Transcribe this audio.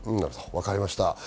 わかりました。